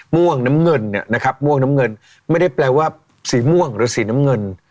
ม่วงน้ำเงินเนี่ยนะครับม่วงน้ำเงินไม่ได้แปลว่าสีม่วงหรือสีน้ำเงิน